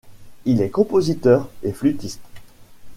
Il est compositeur et flûtiste.